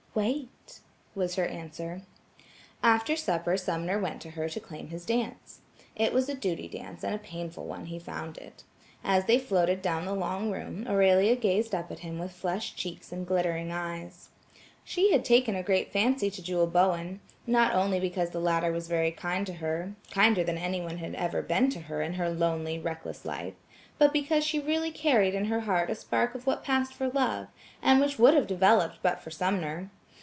"Wait," was her answer. After supper Sumner went to her to claim his dance. It was a duty dance and a painful one he found it. As they floated down the long room, Aurelia gazed up at him with flushed cheeks and glittering eyes. She had taken a great fancy to Jewel Bowen, not only because the latter was very kind to her–kinder than anyone had ever been to her in her lonely, reckless life, but because she really carried in her heart a spark of what passed for love and which would have developed but for Sumner.